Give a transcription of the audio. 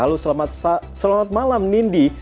halo selamat malam nindi